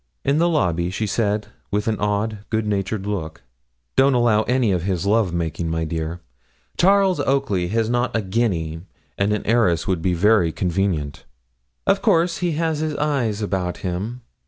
In the lobby she said, with an odd, goodnatured look 'Don't allow any of his love making, my dear. Charles Oakley has not a guinea, and an heiress would be very convenient. Of course he has his eyes about him.